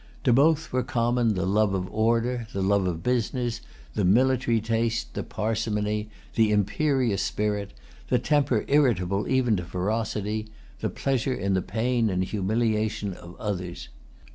To both were common the love of order, the love of business, the military taste, the parsimony, the imperious spirit, the temper irritable even to ferocity, the pleasure in the pain and humiliation of others.